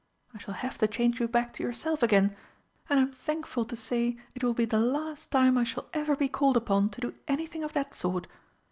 I shall have to change you back to yourself again, and I'm thankful to say it will be the last time I shall ever be called upon to do anything of that sort.